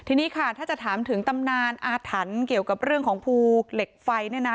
ทีนี้ค่ะถ้าจะถามถึงตำนานอาถรรพ์เกี่ยวกับเรื่องของภูเหล็กไฟเนี่ยนะ